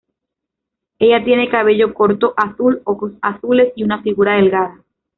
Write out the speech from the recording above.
Ella tiene cabello corto azul, ojos azules y una figura delgada.